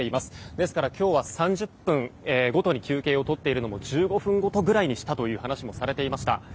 ですから、今日は３０分ごとに休憩をとっているのも１５分ごとぐらいにしたという話もされていました。